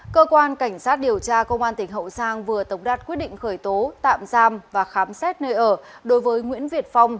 cơ quan cảnh sát điều tra công an tỉnh hậu giang vừa tổng đạt quyết định khởi tố tạm giam và khám xét nơi ở đối với nguyễn việt phong